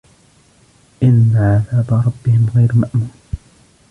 إِنَّ عَذَابَ رَبِّهِمْ غَيْرُ مَأْمُونٍ